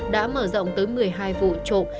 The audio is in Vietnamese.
đã mở rộng tới một mươi hai vụ trộm